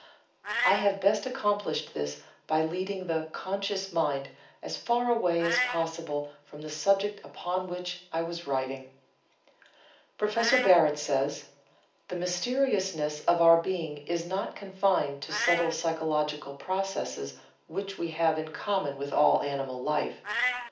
I have best accomplished this by leading the (conscious) mind as far away as possible from the subject upon which I was writing." Prof. Barrett says: "The mysteriousness of our being is not confined to subtle physiological processes which we have in common with all animal life.